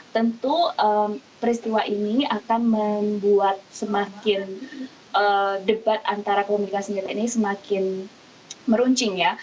tentu peristiwa ini akan membuat debat antara kepemilikan senjata ini semakin meruncing